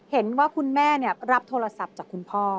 เห็นว่าคุณแม่รับโทรศัพท์จากคุณพ่อ